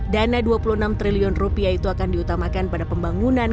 dana dua puluh enam triliun rupiah itu akan diutamakan pada pembangunan